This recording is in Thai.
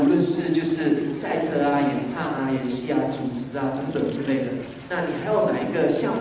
เดี๋ยวนี้อาจจะทำเหมือนกันนะครับ